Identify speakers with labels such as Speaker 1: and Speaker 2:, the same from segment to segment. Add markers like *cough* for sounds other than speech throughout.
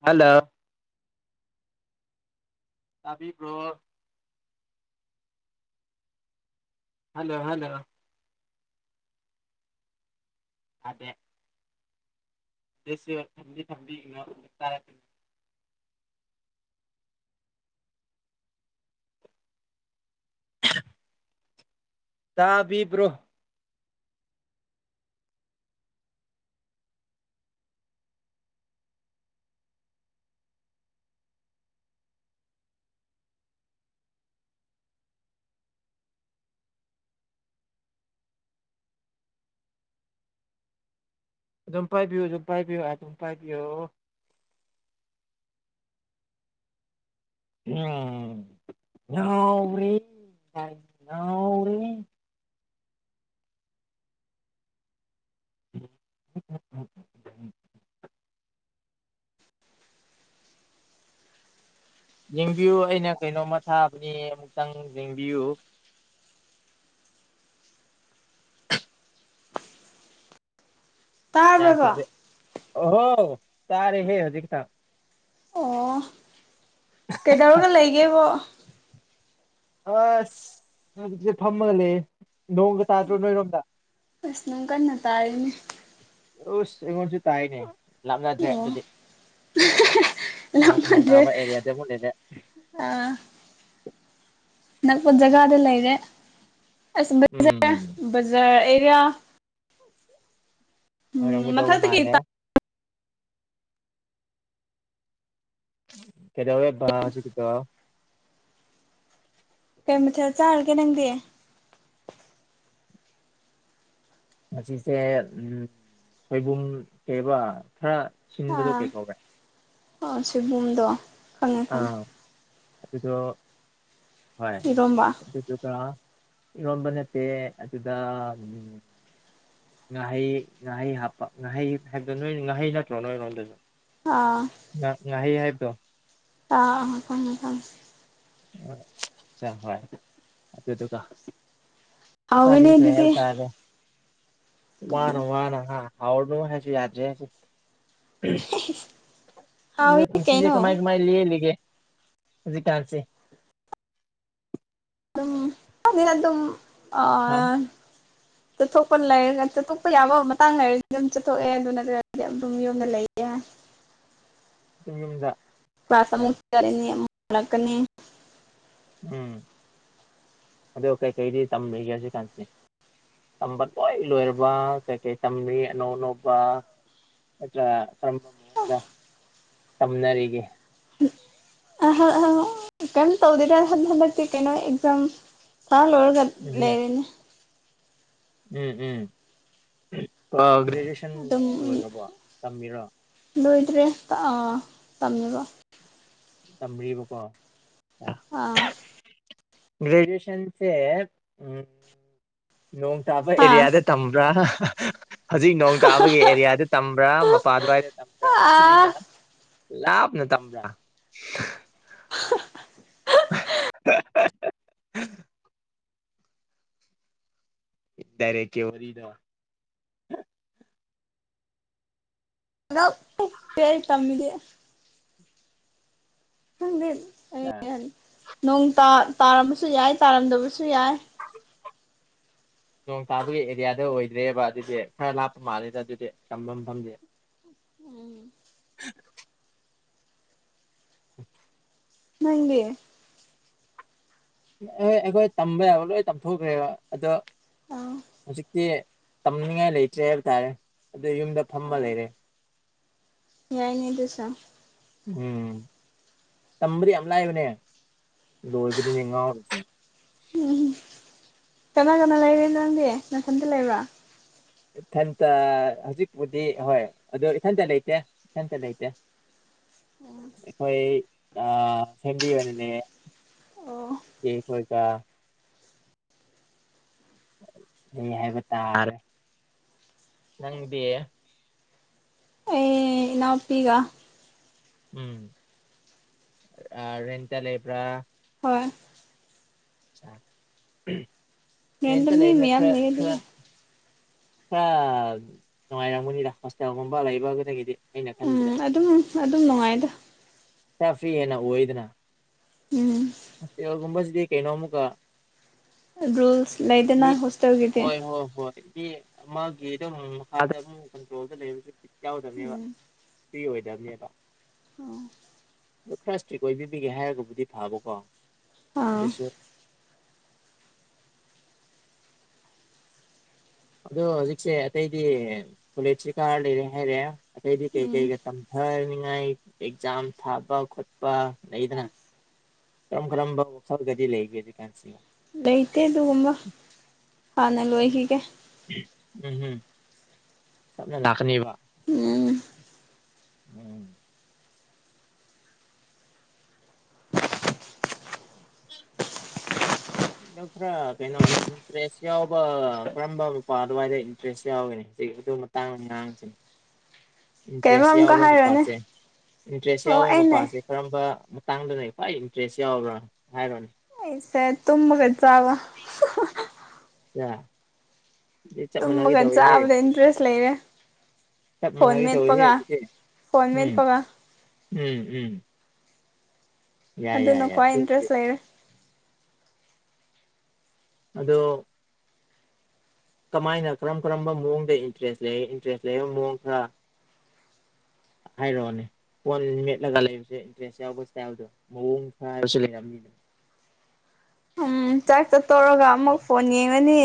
Speaker 1: Hello ꯇꯥꯕꯤꯕ꯭ꯔꯣ hello hello ꯇꯥꯗꯦ ꯇꯦꯁꯦ ꯊꯝꯕꯤ ꯊꯝꯕꯤꯒꯅꯣ ꯇꯔꯦ ꯇꯥꯕꯤꯕ꯭ꯔꯣ ꯑꯗꯨꯝ ꯄꯥꯢꯕꯤꯌꯨ ꯑꯗꯨꯝ ꯄꯥꯢꯕꯤꯌꯨ ꯑꯗꯨꯝ ꯄꯥꯢꯕꯤꯌꯣ ꯎꯝ ꯉꯥꯎꯔꯦ ꯉꯥꯎ *unintelligible* ꯌꯦꯡꯕꯤꯌꯨ ꯑꯩꯅ ꯀꯩꯅꯣꯝꯃ ꯊꯥꯕꯅꯤ ꯑꯃꯨꯛꯇꯪ ꯌꯦꯡꯕꯤꯌꯨ
Speaker 2: ꯇꯥꯕ꯭ꯔꯕꯣ
Speaker 1: ꯌꯥꯈꯤꯗ꯭ꯔꯦ ꯑꯣꯍꯣ ꯇꯥꯔꯦ ꯍꯦ ꯍꯧꯖꯤꯛꯇ
Speaker 2: ꯑꯣ ꯀꯩꯗꯧꯔꯒ ꯂꯩꯒꯦꯕꯣ
Speaker 1: ꯑꯁ ꯅꯨꯡꯗꯤꯜ ꯐꯝꯃꯒ ꯂꯩꯑꯦ ꯅꯣꯡꯒ ꯇꯥꯗ꯭ꯔꯣ ꯅꯣꯢꯔꯣꯝꯗ
Speaker 2: ꯑꯁ ꯅꯣꯡ ꯀꯟꯅ ꯇꯥꯔꯤꯅꯦ
Speaker 1: ꯑꯨꯁ ꯑꯩꯉꯣꯟꯁꯨ ꯇꯥꯢꯅꯦ ꯂꯥꯞꯅꯗ꯭ꯔꯦ
Speaker 2: ꯑꯣ
Speaker 1: ꯑꯗꯨꯗꯤ ꯅꯣꯡ ꯅꯣꯡ ꯇꯥꯕ ꯑꯦꯔꯤꯌꯥꯗ ꯑꯃꯨꯛ ꯂꯩꯔꯦ
Speaker 2: ꯑꯥ ꯑꯥꯅꯛꯄ ꯖꯒꯥꯗ ꯂꯩꯔꯦ ꯑꯁ ꯕꯖꯥ
Speaker 1: ꯎꯝ
Speaker 2: ꯕꯖꯥꯔ ꯑꯦꯔꯤꯌꯥ ꯎꯝ
Speaker 1: ꯑꯣꯢꯔꯝꯒꯗꯧꯕ
Speaker 2: ꯃꯊꯛꯇ ꯀꯩ
Speaker 1: ꯃꯥꯜꯂꯦ ꯀꯩꯗꯧꯔꯦ ꯕꯥ ꯍꯧꯖꯤꯛꯀꯤꯗꯣ
Speaker 2: ꯀꯩ ꯃꯊꯦꯜ ꯆꯥꯔꯒꯦ ꯅꯪꯗꯤ
Speaker 1: ꯃꯁꯤꯁꯦ ꯎꯝ ꯁꯣꯢꯕꯨꯝ ꯀꯩꯕ ꯈꯔ ꯁꯤꯟꯕꯗꯣ
Speaker 2: ꯑꯥ
Speaker 1: ꯀꯩ ꯀꯧꯕ꯭ꯔꯦ
Speaker 2: ꯑꯣ ꯁꯣꯢꯕꯨꯝꯗꯣ
Speaker 1: ꯑꯥ ꯑꯗꯨꯗꯣ ꯍꯣꯢ
Speaker 2: ꯏꯔꯣꯝꯕ
Speaker 1: ꯑꯗꯨꯗꯨꯒ ꯏꯔꯣꯝꯕ ꯅꯠꯇꯦ ꯑꯗꯨꯗꯥ ꯉꯥꯍꯩ ꯉꯥꯍꯩ ꯍꯥꯞꯄ ꯉꯥꯍꯩ ꯍꯥꯢꯕꯗꯣ ꯅꯣꯢ ꯉꯥꯍꯩ ꯆꯠꯇ꯭ꯔꯣ ꯅꯣꯢꯉꯣꯟꯝꯗꯖꯨ
Speaker 2: ꯑꯥ
Speaker 1: ꯉꯥ ꯉꯥꯍꯩ ꯍꯥꯢꯕꯗꯣ
Speaker 2: ꯑꯥ ꯑꯥ ꯈꯪꯉꯦ ꯈꯪꯉꯦ
Speaker 1: *unintelligible* ꯏꯆꯥ ꯍꯣꯢ ꯑꯗꯨꯗꯨꯒ
Speaker 2: ꯍꯥꯎꯋꯦꯅꯦ
Speaker 1: ꯆꯥꯕꯤꯈ꯭ꯔꯦ
Speaker 2: ꯑꯗꯨꯗꯤ
Speaker 1: ꯍꯥꯏꯕ ꯇꯥꯔꯦ ꯋꯥꯅ ꯋꯥꯅ ꯍꯥ ꯍꯥꯎꯔꯅꯨ ꯍꯥꯏꯔꯁꯨ ꯌꯥꯗ꯭ꯔꯦ ꯍꯧꯖꯤꯛ
Speaker 2: *unintelligible* ꯍꯥꯎꯋꯤ
Speaker 1: ꯄꯨꯟꯁꯤꯖꯦ
Speaker 2: ꯀꯩꯅꯣ
Speaker 1: ꯀꯃꯥꯏ ꯀꯃꯥꯏ ꯂꯦꯜꯂꯤꯒꯦ ꯍꯧꯖꯤꯛꯀꯥꯟꯁꯦ
Speaker 2: ꯑꯗꯨꯝ ꯈꯪꯗꯦꯗ ꯑꯗꯨꯝ
Speaker 1: ꯍꯥ
Speaker 2: ꯑꯥ ꯆꯠꯊꯣꯛꯄ ꯂꯩꯔꯒ ꯆꯠꯊꯣꯛꯄ ꯌꯥꯕ ꯃꯇꯥꯡ ꯂꯩꯔꯒꯗꯤ ꯑꯗꯨꯝ ꯆꯠꯊꯣꯛꯑꯦ ꯑꯗꯨ ꯅꯠꯇ꯭ꯔꯗꯤ ꯑꯗꯨꯝ ꯌꯨꯝꯗ ꯂꯩꯌꯦ ꯍꯥꯏ
Speaker 1: ꯅꯣꯢꯌꯨꯝꯗ
Speaker 2: ꯀ꯭ꯂꯥꯁ ꯑꯃꯨꯛ ꯆꯠꯂꯅꯤ ꯑꯃꯨꯛ ꯍꯂꯛꯀꯅꯤ
Speaker 1: ꯎꯝ ꯑꯗꯣ ꯀꯩꯀꯩꯗꯤ ꯇꯝꯔꯤꯒꯦ ꯍꯧꯖꯤꯛꯀꯥꯟꯁꯦ ꯇꯝꯕ ꯂꯣꯏ ꯂꯣꯏꯔꯕ ꯀꯩ ꯀꯩ ꯇꯝꯔꯤ ꯑꯅꯧ ꯑꯅꯧꯕ ꯅꯠꯇ꯭ꯔ ꯀꯔꯝꯕ ꯃꯑꯣꯡꯗ ꯇꯝꯅꯔꯤꯒꯦ
Speaker 2: ꯑꯍ ꯀꯩꯝ ꯇꯧꯗꯦꯗ ꯍꯟ ꯍꯟꯗꯛꯤ ꯀꯩꯅꯣ ꯑꯦꯛꯖꯥꯝ ꯊꯥ ꯂꯣꯏꯔꯒ
Speaker 1: ꯎꯝ
Speaker 2: ꯂꯩꯔꯅꯤ
Speaker 1: ꯎꯝ ꯎꯝ ꯒ꯭ꯔꯦꯖꯨꯑꯦꯁꯟ
Speaker 2: ꯑꯗꯨꯝ
Speaker 1: ꯂꯣꯏꯈ꯭ꯔꯕꯣ ꯇꯝꯃꯤꯔꯣ
Speaker 2: ꯂꯣꯏꯗ꯭ꯔꯦ ꯑꯥ ꯇꯝꯃꯤꯕ
Speaker 1: ꯇꯝꯔꯤꯕꯀꯣ
Speaker 2: ꯑꯥ
Speaker 1: ꯒ꯭ꯔꯦꯖꯨꯑꯦꯁꯟꯁꯦ ꯎꯝ ꯅꯣꯡ ꯇꯥꯕ
Speaker 2: ꯍꯥ
Speaker 1: ꯑꯦꯔꯤꯌꯥꯗ ꯇꯝꯕ꯭ꯔꯥ ꯍꯧꯖꯤꯛ ꯅꯣꯡ ꯇꯥꯕꯒꯤ ꯑꯦꯔꯤꯌꯥꯗ ꯇꯝꯕ꯭ꯔꯥ ꯃꯄꯥ ꯑꯗꯨꯋꯥꯏꯗ ꯇꯝꯕ꯭ꯔꯥ
Speaker 2: ꯑꯥ
Speaker 1: ꯆꯕꯤꯅ ꯂꯥꯞꯅ ꯇꯝꯕ꯭ꯔꯥ
Speaker 2: ꯍ *unintelligible*
Speaker 1: *unintelligible* ꯗꯥꯏꯔꯦꯛ ꯀꯤ ꯋꯔꯤꯗꯣ
Speaker 2: ꯄꯥꯏꯔ ꯇꯝꯗꯦ ꯈꯪꯗꯦ
Speaker 1: ꯑꯥ
Speaker 2: ꯅꯣꯡ ꯇꯥ ꯇꯥꯔꯝꯕꯁꯨ ꯌꯥꯏ ꯇꯥꯔꯝꯗꯕꯁꯨ ꯌꯥꯏ
Speaker 1: *inaudible* ꯅꯣꯡ ꯇꯥꯕꯒꯤ ꯑꯦꯔꯤꯌꯥꯗꯣ ꯑꯣꯏꯗ꯭ꯔꯦꯕ ꯑꯗꯨꯗꯤ ꯈꯔ ꯂꯥꯞꯄ ꯃꯥꯜꯂꯦꯗ ꯑꯗꯨꯗꯤ ꯇꯝꯕ ꯃꯐꯝꯗꯤ
Speaker 2: ꯎꯝ
Speaker 1: *inaudible*
Speaker 2: ꯅꯪꯒꯤ
Speaker 1: ꯑꯩꯈꯣꯏ ꯇꯝꯕ ꯌꯥꯕ ꯂꯣꯏ ꯇꯝꯊꯣꯛꯈ꯭ꯔꯦꯕ ꯑꯗꯣ
Speaker 2: ꯑꯥ
Speaker 1: ꯍꯧꯖꯤꯛꯇꯤ ꯇꯝꯅꯤꯡꯉꯥꯏ ꯂꯩꯇ꯭ꯔꯦ ꯍꯥꯏꯕ ꯇꯥꯔꯦ ꯑꯗꯨꯏ ꯌꯨꯝꯗ ꯐꯝꯃ
Speaker 2: ꯑꯣ
Speaker 1: ꯂꯩꯔꯦ
Speaker 2: ꯌꯥꯏꯅꯦ ꯑꯗꯨꯁꯨ
Speaker 1: ꯎꯝ ꯇꯝꯕꯗꯤ ꯌꯥꯝ ꯂꯥꯏꯕꯅꯦ ꯂꯣꯏꯕꯗꯅꯦ ꯉꯥꯎꯔꯤꯁꯦ
Speaker 2: ꯎꯝ ꯎꯝ ꯀꯅꯥ ꯀꯅꯥ ꯂꯩꯔꯦ ꯅꯪꯗꯤ ꯅꯊꯟꯇ ꯂꯩꯕ꯭ꯔꯥ
Speaker 1: ꯏꯊꯟꯇ ꯍꯧꯖꯤꯛꯄꯨꯗꯤ ꯍꯣꯏ ꯑꯗꯨ ꯏꯊꯟꯇ ꯂꯩꯇꯦ ꯏꯊꯟꯇ ꯂꯩꯇꯦ *inaudible*
Speaker 2: ꯎꯝ
Speaker 1: ꯑꯩꯈꯣꯏ ꯐꯦꯃꯤꯂꯤ ꯑꯣꯏꯅ ꯂꯩꯌꯦ
Speaker 2: ꯑꯣ
Speaker 1: ꯏꯆꯦ ꯈꯣꯏꯒ ꯍꯤꯡꯉꯤ ꯍꯥꯏꯕ ꯇꯥꯔꯦ ꯅꯪꯗꯤ
Speaker 2: ꯑꯩ ꯏꯅꯥꯎꯄꯤꯒ
Speaker 1: ꯎꯝ ꯔꯦꯟꯇ ꯂꯩꯕ꯭ꯔꯥ
Speaker 2: ꯍꯣꯏ ꯔꯦꯟꯗ
Speaker 1: ꯔꯦꯟꯇ
Speaker 2: ꯃꯤ
Speaker 1: ꯂꯩꯕꯅ
Speaker 2: ꯃꯌꯥꯝ
Speaker 1: ꯈꯔ
Speaker 2: ꯂꯩ
Speaker 1: ꯈꯔ
Speaker 2: ꯑꯗꯨꯒꯤ
Speaker 1: ꯈ꯭ꯔ ꯅꯨꯡꯉꯥꯏꯔꯝꯒꯅꯤꯗ ꯍꯣꯁꯇꯦꯜꯒꯨꯝꯕ ꯂꯩꯕꯗꯒꯤꯗꯤ ꯑꯩꯅ
Speaker 2: ꯎꯝ
Speaker 1: ꯈꯟꯕꯗ
Speaker 2: ꯑꯗꯨꯝ ꯑꯗꯨꯝ ꯅꯨꯡꯉꯥꯏꯗ
Speaker 1: ꯈꯔ ꯐ꯭ꯔꯤ ꯍꯦꯟꯅ ꯑꯣꯏꯗꯅ
Speaker 2: ꯎꯝ
Speaker 1: ꯍꯣꯁꯇꯦꯜꯒꯨꯝꯕꯁꯤꯗꯤ ꯀꯩꯅꯣ ꯑꯃꯨꯛꯀ
Speaker 2: ꯔꯨꯜꯁ ꯂꯩꯗꯅ ꯍꯣꯁꯇꯦꯜꯒꯤꯗꯤ
Speaker 1: *unintelligible* ꯃꯥꯒꯤ ꯑꯗꯨꯝ ꯃꯈꯥꯗ ꯑꯗꯨꯝ ꯀꯟꯇ꯭ꯔꯣꯜꯗ ꯂꯩꯕꯁꯨ ꯕꯤꯠ ꯌꯥꯎꯗꯕꯅꯦꯕ
Speaker 2: ꯎꯝ
Speaker 1: ꯐ꯭ꯔꯤ ꯑꯣꯏꯗꯝꯅꯦꯕ
Speaker 2: *unintelligible*
Speaker 1: ꯑꯗꯨ ꯈꯔ ꯏꯁꯇ꯭ꯔꯤꯛ ꯑꯣꯏꯕꯤꯕꯒꯤ ꯍꯥꯏꯔꯒꯕꯨꯗꯤ ꯐꯕꯀꯣ
Speaker 2: ꯑꯥ
Speaker 1: ꯑꯗꯨꯁꯨ ꯑꯗꯣ ꯍꯧꯖꯤꯛꯁꯦ ꯑꯇꯩꯗꯤ ꯀꯣꯂꯦꯖꯁꯤ ꯀꯥꯔ ꯂꯩꯔꯦ ꯍꯥꯏꯔꯦ ꯑꯇꯩꯗꯤ ꯀꯩ
Speaker 2: ꯎꯝ
Speaker 1: ꯀꯩꯒ ꯇꯝ ꯊꯥꯅꯤꯉꯥꯏ ꯑꯦꯛꯖꯥꯝ ꯊꯥꯕ ꯈꯣꯠꯄ ꯂꯩꯗꯅ ꯀꯔꯝ ꯀꯔꯝꯕ ꯋꯥꯈꯜꯒꯗꯤ ꯂꯩꯒꯦ ꯍꯧꯖꯤꯛꯀꯥꯟꯁꯤ
Speaker 2: ꯂꯩꯇꯦ ꯑꯗꯨꯒꯨꯝꯕ ꯍꯥꯟꯅ ꯂꯣꯏꯈꯤꯒꯦ
Speaker 1: *unintelligible* ꯇꯞꯅ ꯂꯥꯛꯀꯅꯤꯕ
Speaker 2: ꯎꯝ
Speaker 1: ꯎꯝ *inaudible* ꯀꯩꯅꯣ ꯈꯔ ꯀꯩꯅꯣ ꯏꯟꯇ꯭ꯔꯦꯁ ꯌꯥꯎꯕ ꯀꯔꯝꯕ ꯃꯄꯥ ꯑꯗꯨꯋꯥꯏꯗ ꯏꯟꯇ꯭ꯔꯦꯁ ꯌꯥꯎꯒꯅꯤ ꯁꯤ *inaudible* *unintelligible*
Speaker 2: ꯀꯩꯕ
Speaker 1: ꯏꯟꯇ꯭ꯔꯦꯁ
Speaker 2: ꯑꯃꯨꯛꯀ
Speaker 1: ꯌꯥꯎꯕ
Speaker 2: ꯍꯥꯏꯔꯣꯅꯦ
Speaker 1: ꯃꯄꯥꯥꯁꯦ ꯏꯟꯇ꯭ꯔꯦꯁ
Speaker 2: ꯑꯣ
Speaker 1: ꯌꯥꯎꯕ
Speaker 2: ꯑꯩꯅ
Speaker 1: ꯃꯄꯥꯥꯁꯦ ꯀꯔꯝꯕ ꯃꯇꯥꯡꯗꯅ ꯈ꯭ꯋꯥꯏ ꯏꯟꯇ꯭ꯔꯦꯁ ꯌꯥꯎꯕ꯭ꯔꯥ ꯍꯥꯏꯔꯣꯅꯦ
Speaker 2: ꯑꯩꯁꯦ ꯇꯨꯝꯃꯒ ꯆꯥꯕ
Speaker 1: ꯌꯥ
Speaker 2: ꯇꯨꯝꯃꯒ ꯆꯥꯕꯗ ꯏꯟꯇ꯭ꯔꯦꯁ ꯂꯩꯔꯦ
Speaker 1: ꯆꯞ
Speaker 2: ꯐꯣꯟ
Speaker 1: ꯃꯥꯟꯅꯒꯦ ꯇꯧꯋꯤꯍꯦ
Speaker 2: ꯃꯦꯠꯄꯒ
Speaker 1: ꯑꯗꯨꯗꯤ
Speaker 2: ꯐꯣꯟ
Speaker 1: ꯎꯝ
Speaker 2: ꯃꯦꯠꯄꯒ
Speaker 1: ꯎꯝ ꯎꯝ ꯌꯥꯏ ꯌꯥꯏ
Speaker 2: ꯑꯗꯨꯅ
Speaker 1: ꯌꯥꯏ
Speaker 2: ꯈ꯭ꯋꯥꯏ
Speaker 1: ꯑꯗꯨꯕꯨꯗꯤ
Speaker 2: ꯏꯟꯇ꯭ꯔꯦꯁ ꯂꯩꯔꯦ
Speaker 1: ꯑꯗꯣ ꯀꯃꯥꯏꯅ ꯀꯔꯝ ꯀꯔꯝꯕ ꯃꯑꯣꯡꯗ ꯏꯟꯇ꯭ꯔꯦꯁ ꯂꯩ ꯏꯟꯇ꯭ꯔꯦꯁ ꯂꯩ ꯃꯑꯣꯡ ꯈꯔ ꯍꯥꯏꯔꯣꯅꯦ ꯐꯣꯟ ꯃꯦꯠꯂꯒ ꯂꯩꯕꯁꯦ ꯏꯟꯇ꯭ꯔꯦꯁ ꯌꯥꯎꯕ ꯁꯇꯥꯏꯜꯗꯣ ꯃꯑꯣꯡ ꯈꯔ ꯍꯥꯏꯕꯁꯨ ꯂꯩꯔꯝꯅꯤꯅ
Speaker 2: ꯎꯝ ꯆꯥꯛ ꯆꯥꯇꯣꯛꯑꯒ ꯑꯃꯨꯛ ꯐꯣꯟ ꯌꯦꯡꯔꯅꯤ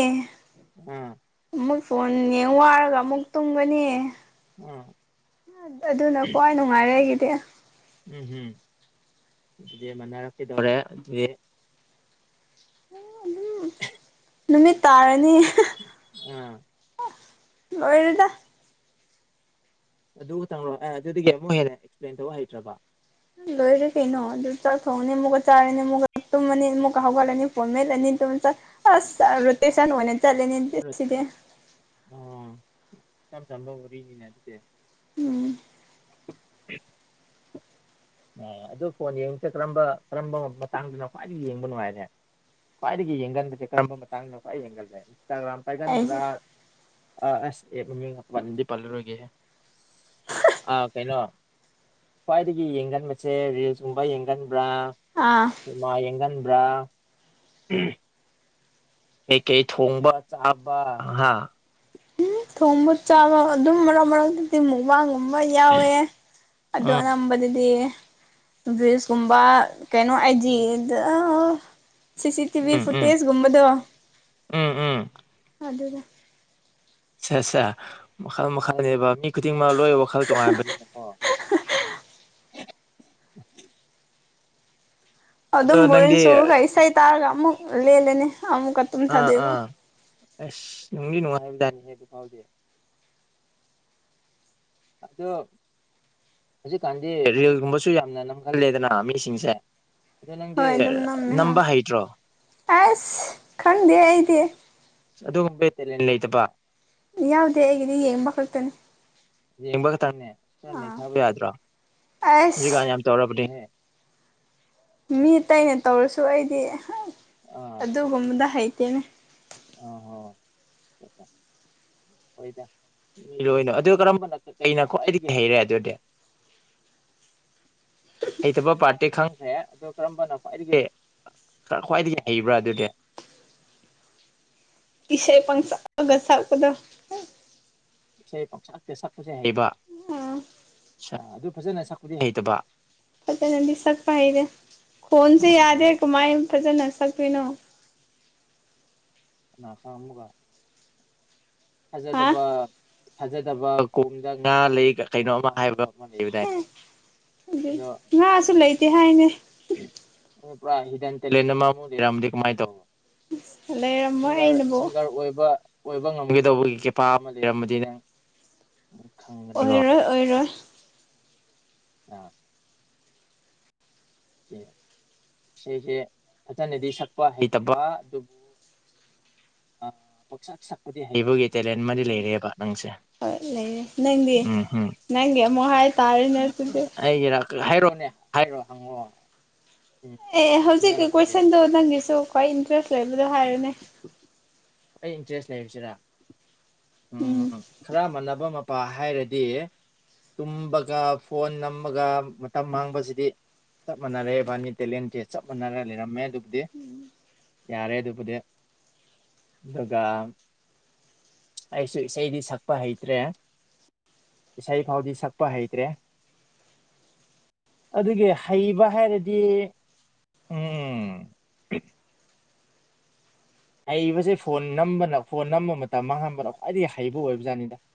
Speaker 1: ꯑꯥ
Speaker 2: ꯑꯃꯨꯛ ꯐꯣꯟ ꯌꯦꯡꯕ ꯋꯥꯔꯒ ꯑꯃꯨꯛ ꯇꯨꯝꯒꯅꯤ
Speaker 1: ꯎꯝ
Speaker 2: ꯑꯗꯨꯅ ꯈ꯭ꯋꯥꯏ ꯅꯨꯡꯉꯥꯏꯔꯦ ꯑꯩꯒꯤꯗꯤ
Speaker 1: ꯎꯝ *unintelligible* ꯑꯗꯨꯗꯤ ꯃꯅꯥꯔꯛꯀꯦꯗꯧꯔꯦ ꯍꯧꯖꯤꯛ
Speaker 2: ꯑꯗꯨꯝ ꯑꯗꯨꯝ ꯅꯨꯃꯤꯠ ꯇꯥꯔꯅꯤ
Speaker 1: *unintelligible*
Speaker 2: ꯂꯣꯏꯔꯦꯗ
Speaker 1: ꯑꯗꯨ ꯈꯛꯇꯪꯔꯣ ꯑꯦ ꯑꯗꯨꯗꯒꯤ ꯑꯃꯨꯛ ꯍꯦꯟꯅ ꯑꯦꯛꯁꯄ꯭ꯂꯦꯟ ꯇꯧꯕ ꯍꯩꯇ꯭ꯔꯕ
Speaker 2: ꯂꯣꯏꯔꯦ ꯀꯩꯅꯣ ꯑꯗꯨ ꯆꯥꯛ ꯊꯣꯡꯉꯅꯤ ꯑꯃꯨꯛꯀꯥ ꯆꯥꯔꯅꯤ ꯑꯃꯨꯛꯀꯥ ꯇꯨꯝꯃꯅꯤ ꯑꯃꯨꯛꯀꯥ ꯍꯧꯒꯠꯂꯅꯤ ꯐꯣꯟ ꯃꯦꯠꯂꯅꯤ ꯑꯗꯨꯨꯝ ꯆꯥ ꯑꯁ ꯔꯣꯇꯦꯁꯟ ꯑꯣꯏꯅ ꯆꯥꯠꯂꯦꯅꯦ ꯑꯗꯨꯗꯤ ꯁꯤꯗꯤ
Speaker 1: ꯑꯣ ꯏꯆꯝ ꯆꯝꯕ ꯋꯥꯔꯤ ꯅꯤꯅꯦ ꯑꯗꯨꯗꯤ
Speaker 2: ꯎꯝ
Speaker 1: ꯑꯥ ꯑꯗꯨ ꯐꯣꯟ ꯌꯦꯡꯕꯁꯦ ꯀꯔꯝꯕ ꯀꯔꯝꯕ ꯃꯇꯥꯡꯗꯅ ꯈ꯭ꯋꯥꯏꯗꯩ ꯌꯦꯡꯕ ꯅꯨꯡꯉꯥꯏꯔꯦ ꯈ꯭ꯋꯥꯏꯗꯒꯤ ꯌꯦꯡꯒꯟꯕꯁꯦ ꯀꯔꯝꯕ ꯃꯇꯥꯡꯗ ꯈ꯭ꯋꯥꯏꯗꯒꯤ ꯌꯦꯡꯒꯟꯂꯦ ꯏꯟꯁꯇꯥꯒ꯭ꯔꯥꯝ ꯄꯥꯏꯒꯟꯕ꯭ꯔꯥ
Speaker 2: ꯑꯩꯁꯦ
Speaker 1: ꯑꯥ ꯑꯁ ꯑꯦ ꯃꯃꯤꯕꯤ ꯄꯥꯟꯗꯤ ꯄꯜꯂꯔꯣꯏꯒꯦꯍꯦ ꯑꯥ ꯀꯩꯅꯣ ꯈ꯭ꯋꯥꯏꯗꯒꯤ ꯌꯦꯡꯒꯟ ꯅꯪꯁꯦ ꯔꯤꯜꯁꯒꯨꯝꯕ ꯌꯦꯡꯒꯟꯕ꯭ꯔꯥ
Speaker 2: ꯑꯥ
Speaker 1: ꯁꯤꯝꯃ ꯌꯦꯡꯒꯟꯕ꯭ꯔꯥ ꯑꯍꯝ *unintelligible* ꯀꯩꯀꯩ ꯊꯣꯡꯕ ꯆꯥꯕ ꯍꯥ
Speaker 2: ꯊꯣꯡꯕ ꯆꯥꯕ ꯑꯗꯨꯝ ꯃꯔꯥꯛ ꯃꯔꯥꯛꯇ ꯁꯤ ꯃꯨꯛꯕꯥꯡꯒꯨꯝꯕ ꯌꯥꯎꯋꯦ ꯑꯗꯣ
Speaker 1: ꯎꯝ
Speaker 2: ꯑꯅꯝꯕꯗꯗꯤ ꯕ꯭ꯔꯤꯁꯀꯨꯝꯕ ꯀꯩꯅꯣ
Speaker 1: ꯎꯝ
Speaker 2: ꯑꯥꯏꯖꯤꯗ ꯑꯥ ꯁꯤ ꯁꯤ ꯇꯤ ꯚꯤ
Speaker 1: ꯎꯝ ꯎꯝ
Speaker 2: ꯐꯨꯇꯦꯖꯒꯨꯝꯕꯗꯣ
Speaker 1: ꯎꯝ ꯎꯝ
Speaker 2: ꯑꯗꯨꯗ
Speaker 1: ꯁꯦ ꯁꯦ ꯃꯈꯜ ꯃꯈꯜꯅꯦꯕ ꯃꯤ ꯈꯨꯗꯤꯡꯃꯛ ꯂꯣꯏ ꯋꯥꯈꯜ ꯇꯣꯉꯥꯟꯕꯅꯤꯅꯀꯣ ꯑꯗꯣ
Speaker 2: ꯑꯗꯨꯝ ꯕꯣꯔꯤꯡ
Speaker 1: ꯅꯪꯗꯤ
Speaker 2: ꯆꯨꯔꯒ ꯏꯁꯩ ꯇꯥꯔꯒ ꯑꯃꯨꯛ ꯂꯦꯜꯂꯅꯤ ꯑꯃꯨꯛꯀꯥ
Speaker 1: ꯑꯥ ꯑꯥ ꯑꯁ ꯅꯨꯡꯗꯤ ꯅꯨꯡꯉꯥꯏꯕꯖꯥꯅꯤꯍꯦ ꯑꯗꯨ ꯐꯥꯎꯗꯤ ꯑꯗꯣ ꯍꯧꯖꯤꯛꯀꯥꯟꯗꯤ ꯔꯦꯜꯒꯨꯝꯕꯁꯨ ꯌꯥꯝꯅ ꯅꯝꯒꯜꯂꯦꯗꯅ ꯃꯤꯁꯤꯡꯁꯦ ꯑꯗꯣ ꯅꯪꯗꯤ
Speaker 2: ꯍꯣꯏ ꯑꯗꯨꯝ ꯅꯝꯃꯦ ꯍꯣꯏ
Speaker 1: ꯅꯝꯕ ꯍꯩꯇ꯭ꯔꯣ
Speaker 2: ꯑꯁ ꯈꯪꯗꯦ ꯑꯩꯗꯤ
Speaker 1: ꯑꯗꯨꯒꯨꯝꯕꯩ *unintelligible* ꯂꯩꯇꯕ
Speaker 2: ꯌꯥꯎꯗꯦ ꯑꯩꯒꯤꯗꯤ ꯌꯦꯡꯕ ꯈꯛꯇꯅꯦ
Speaker 1: ꯌꯦꯡꯕ ꯈꯛꯇꯪꯅꯦ
Speaker 2: ꯑꯥ
Speaker 1: ꯈꯔꯥ *unintelligible* ꯌꯥꯗ꯭ꯔꯣ
Speaker 2: ꯑꯁ
Speaker 1: ꯍꯧꯖꯤꯛꯀꯥꯟ ꯌꯥꯝ ꯇꯧꯔꯕꯅꯦꯍꯦ
Speaker 2: ꯃꯤ ꯑꯇꯩꯅ ꯇꯧꯔꯁꯨ ꯑꯩꯗꯤ
Speaker 1: ꯑꯥ
Speaker 2: ꯑꯗꯨꯒꯨꯝꯕꯗꯣ ꯍꯩꯇꯦꯅꯦ
Speaker 1: ꯑꯥ ꯍꯣ ꯍꯣꯏ ꯃꯤꯂꯣꯏꯅ ꯑꯗꯨ ꯀꯔꯝꯕꯅꯣ ꯀꯩꯅ ꯈ꯭ꯋꯥꯏꯗꯒꯤ ꯍꯩꯔꯦ ꯑꯗꯨꯗꯤ ꯍꯩꯇꯕ ꯄꯥꯔꯇꯤ ꯈꯪꯈ꯭ꯔꯦ ꯑꯗꯣ ꯀꯔꯝꯕꯅ ꯈ꯭ꯋꯥꯏꯗꯒꯤ ꯈ꯭ꯋꯥꯏꯗꯒꯤ ꯍꯩꯕ꯭ꯔꯥ ꯑꯗꯨꯗꯤ
Speaker 2: ꯏꯁꯩ ꯄꯪꯁꯛꯇꯒ ꯁꯥꯥꯛꯄꯗꯣ
Speaker 1: ꯏꯁꯩ ꯄꯪꯁꯛꯇ ꯁꯛꯄꯁꯦ ꯍꯩꯕ
Speaker 2: ꯎꯝ
Speaker 1: ꯑꯠꯁꯥ ꯑꯗꯨ ꯐꯖꯅ ꯁꯛꯄꯗꯤ ꯍꯩꯇꯕ
Speaker 2: ꯐꯖꯅꯗꯤ ꯁꯛꯄ ꯍꯩꯇꯦ ꯈꯣꯟꯁꯦ
Speaker 1: ꯑꯣ ꯍꯣ
Speaker 2: ꯌꯥꯗꯦ ꯀꯃꯥꯏ ꯐꯖꯅ ꯁꯛꯇꯣꯏꯅꯣ
Speaker 1: ꯅꯁꯥ *inaudible* ꯑꯃꯨꯒ
Speaker 2: ꯍꯥ
Speaker 1: ꯊꯥꯖꯗꯕ ꯊꯥꯖꯗꯕ ꯀꯣꯝꯗ ꯉꯥ ꯂꯩ ꯀꯩꯅꯣ ꯑꯃ ꯍꯥꯏꯕ ꯑꯃ
Speaker 2: ꯍꯦ
Speaker 1: ꯂꯩꯕꯗꯥꯏꯅꯦ
Speaker 2: ꯑꯗꯨꯏ
Speaker 1: ꯑꯗꯣ
Speaker 2: ꯉꯥꯁꯨ ꯂꯩꯇꯦ ꯍꯥꯏꯅꯦ
Speaker 1: *unintelligible* ꯇꯦꯂꯦꯟ ꯑꯃ ꯑꯣꯏꯔꯝꯃꯗꯤ ꯀꯃꯥꯏ ꯇꯧꯕ
Speaker 2: ꯂꯩꯔꯝꯃꯣꯏ
Speaker 1: ꯁꯤꯡꯒꯔ
Speaker 2: ꯑꯩꯅꯕꯨ
Speaker 1: ꯁꯤꯡꯒꯔ ꯑꯣꯏꯕ ꯑꯣꯏꯕ ꯉꯝꯒꯗꯧꯕꯒꯤ ꯀꯦꯄꯥ ꯑꯃ ꯂꯩꯔꯝꯃꯗꯤ ꯅꯪ ꯈꯪꯒꯅꯤꯀꯣ
Speaker 2: ꯑꯣꯏꯔꯣꯏ ꯑꯣꯏꯔꯣꯏ
Speaker 1: ꯑꯥ ꯏꯁꯩꯁꯦ ꯐꯖꯅꯗꯤ ꯁꯛꯄ ꯍꯩꯇꯕ ꯑꯗꯨꯕꯨ ꯑꯥ ꯄꯪꯁꯛ ꯁꯛꯄꯗꯤ ꯍꯩꯕꯒꯤ ꯇꯦꯂꯦꯟ ꯑꯃꯗꯤ ꯂꯩꯔꯦꯕ ꯅꯪꯁꯦ
Speaker 2: ꯍꯣꯏ ꯂꯩꯔꯦ ꯅꯪꯗꯤ
Speaker 1: ꯎꯝ ꯎꯝ
Speaker 2: ꯅꯪꯒꯤ ꯑꯃꯨꯛ ꯍꯥꯏꯇꯔꯦꯅꯦ ꯑꯗꯨꯗꯤ
Speaker 1: ꯍꯥꯏꯔꯣꯅꯦ ꯍꯥꯏꯔꯣ ꯍꯪꯉꯣ
Speaker 2: ꯑꯦ ꯍꯧꯖꯤꯛꯀꯤ
Speaker 1: ꯀꯩꯅꯣ
Speaker 2: ꯀꯣꯏꯁꯟꯗꯣ ꯅꯪꯒꯤꯁꯨ ꯈ꯭ꯋꯥꯏ ꯏꯟꯇꯔꯦꯁ ꯂꯩꯕꯗꯣ ꯍꯥꯏꯔꯣꯅꯦ
Speaker 1: ꯑꯩ ꯏꯟꯇ꯭ꯔꯦꯁ ꯂꯩꯕꯁꯤꯔ ꯎꯝ ꯈꯔ ꯃꯥꯟꯅꯕ ꯄꯥ ꯍꯥꯏꯔꯗꯤ ꯇꯨꯝꯕꯒ ꯐꯣꯟ ꯅꯝꯃꯒ ꯃꯇꯝ ꯃꯥꯡꯕꯁꯤꯗꯤ ꯆꯞ ꯃꯥꯟꯅꯔꯦ ꯏꯕꯥꯅꯤꯗꯤ ꯇꯦꯂꯦꯟꯇꯤ ꯆꯞ ꯃꯥꯟꯅꯔ ꯂꯩꯔꯝꯃꯦ ꯑꯗꯨꯕꯨꯗꯤ ꯌꯥꯔꯦ ꯑꯗꯨꯕꯨꯗꯤ ꯑꯗꯨꯒ ꯑꯩꯁꯨ ꯏꯁꯩꯗꯤ ꯁꯛꯄ ꯍꯩꯇ꯭ꯔꯦ ꯏꯁꯩ ꯐꯥꯎꯗꯤ ꯁꯛꯄ ꯍꯩꯇ꯭ꯔꯦ ꯑꯗꯨꯒꯤ ꯍꯩꯕ ꯍꯥꯏꯔꯗꯤ ꯎꯝ ꯍꯩꯕꯁꯦ ꯐꯣꯟ ꯅꯝꯕꯅ ꯐꯣꯟ ꯅꯝꯕ ꯃꯇꯝ ꯃꯥꯡꯍꯟꯕꯅ ꯈ꯭ꯋꯥꯏꯗꯒꯤ ꯍꯩꯕ ꯑꯣꯏꯕ ꯖꯥꯠꯅꯤꯗ꯫ *inaudible*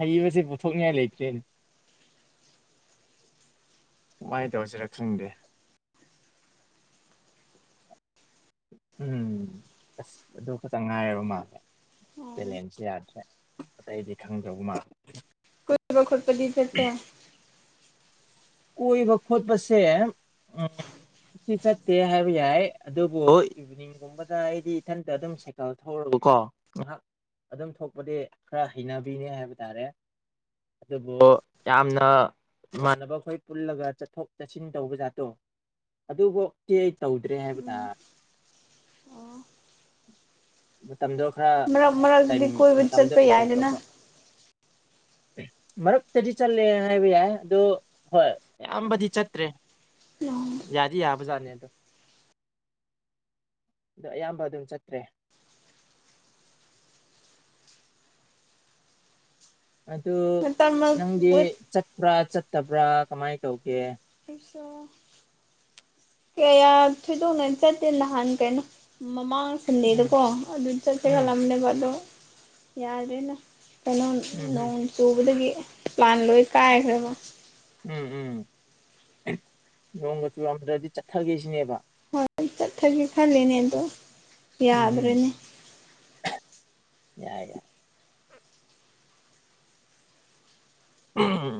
Speaker 1: ꯍꯩꯕꯁꯦ ꯄꯨꯊꯣꯛꯅꯤꯉꯥꯏ ꯂꯩꯇ꯭ꯔꯦꯅꯦ꯫ ꯀꯃꯥꯏ ꯇꯧꯁꯤꯔ ꯈꯪꯗꯦ ꯎꯝ ꯑꯁ ꯑꯗꯨ ꯈꯛꯇꯪ ꯉꯥꯏꯔꯕ ꯃꯥꯜꯂꯦ꯫ ꯇꯦꯂꯦꯟꯁꯦ ꯌꯥꯗ꯭ꯔꯦ ꯑꯇꯩꯗꯤ ꯈꯪꯗꯕ ꯃꯥꯜꯂꯦ꯫
Speaker 2: ꯀꯣꯏꯕ ꯈꯣꯠꯄꯗꯤ ꯆꯠꯇꯦ
Speaker 1: ꯀꯣꯏꯕ ꯈꯣꯠꯄꯁꯦ ꯁꯤ ꯆꯠꯇꯦ ꯍꯥꯏꯕ ꯌꯥꯏ ꯑꯗꯨꯕꯨ ꯏꯕꯤꯅꯤꯡ ꯒꯨꯝꯕꯗ ꯑꯩꯗꯤ ꯏꯊꯟꯇ ꯑꯗꯨꯝ ꯁꯥꯏꯀꯜ ꯊꯧꯔꯒꯀꯣ ꯉꯥꯏꯍꯥꯛ ꯑꯗꯨꯝ ꯊꯣꯛꯄꯗꯤ ꯈꯔ ꯍꯩꯅꯕꯤꯅꯤ ꯍꯥꯏꯕ ꯇꯥꯔꯦ꯫ ꯑꯗꯨꯕꯨ ꯌꯥꯝꯅ ꯏꯃꯥꯟꯅꯕ ꯈꯣꯏ ꯄꯨꯜꯂꯒ ꯆꯠꯊꯣꯛ ꯆꯠꯁꯤꯟ ꯇꯧꯕ ꯖꯥꯠꯇꯣ ꯑꯗꯨꯕꯧ ꯀꯦ ꯑꯩ ꯇꯧꯗ꯭ꯔꯦ ꯍꯥꯏꯕ ꯇꯥ ꯃꯇꯝꯗꯣ ꯈꯔ
Speaker 2: ꯃꯔꯛ ꯃꯔꯛꯇꯗꯤ
Speaker 1: ꯇꯥꯏꯃꯤꯡ
Speaker 2: ꯀꯣꯏꯕ
Speaker 1: ꯃꯇꯝꯗꯣ
Speaker 2: ꯆꯠꯄ
Speaker 1: ꯑꯦꯠꯖꯁ
Speaker 2: ꯌꯥꯏꯗꯅ
Speaker 1: ꯂꯧꯕ꯫ ꯃꯔꯛꯇꯗꯤ ꯆꯠꯂꯦ ꯍꯥꯏꯕ ꯌꯥꯏ ꯑꯗꯣ ꯍꯣꯏ ꯑꯌꯥꯝꯕꯗꯤ ꯆꯠꯇ꯭ꯔꯦ ꯌꯥꯗꯤ ꯌꯥꯕꯖꯥꯠꯅꯦ ꯑꯗꯣ ꯑꯗꯣ ꯑꯌꯥꯝꯕ ꯑꯗꯨꯝ ꯆꯠꯇ꯭ꯔꯦ꯫ ꯑꯗꯨ
Speaker 2: ꯃꯇꯝ
Speaker 1: ꯅꯪꯗꯤ ꯆꯠꯄ꯭ꯔꯥ ꯆꯠꯇꯕ꯭ꯔꯥ ꯀꯃꯥꯏ ꯇꯧꯒꯦ?
Speaker 2: ꯔꯤꯛꯁꯣ ꯀꯌꯥ ꯊꯣꯏꯗꯣꯛꯅ ꯆꯠꯇꯦ ꯅꯍꯥꯟ ꯀꯩꯅꯣ ꯃꯃꯥꯡ
Speaker 1: ꯎꯝ
Speaker 2: ꯁꯟꯂꯦꯗꯀꯣ ꯑꯗꯨꯗꯤ ꯆꯠꯁꯤꯔ
Speaker 1: ꯎꯝ
Speaker 2: ꯈꯜꯂꯝꯅꯦꯕ ꯑꯗꯣ ꯌꯥꯗ꯭ꯔꯦꯅ꯫ ꯀꯩꯅꯣ
Speaker 1: ꯎꯝ ꯎꯝ
Speaker 2: ꯅꯣꯡ ꯆꯨꯕꯗꯒꯤ ꯄ꯭ꯂꯥꯟ ꯂꯣꯏ ꯀꯥꯏꯈ꯭ꯔꯦꯕ꯫
Speaker 1: ꯎꯝ ꯎꯝ ꯅꯣꯡꯒ ꯆꯨꯔꯝꯗ꯭ꯔꯗꯤ ꯆꯠꯊꯒꯦꯁꯤꯅꯦꯕ꯫
Speaker 2: ꯍꯣꯏ ꯑꯩ ꯆꯠꯊꯒꯦ ꯈꯜꯂꯤꯅꯦ ꯑꯗꯣ
Speaker 1: ꯎꯝ ꯎꯝ
Speaker 2: ꯌꯥꯗ꯭ꯔꯦꯅꯦ
Speaker 1: ꯌꯥꯏ ꯌꯥꯏ ꯎꯝ